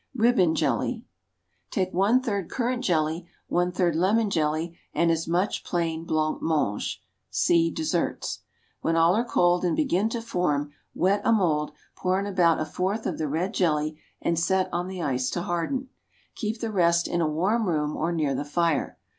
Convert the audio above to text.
Ribbon Jelly. Take one third currant jelly, one third lemon jelly, and as much plain blanc mange. (See Desserts.) When all are cold and begin to form, wet a mould, pour in about a fourth of the red jelly and set on the ice to harden; keep the rest in a warm room, or near the fire.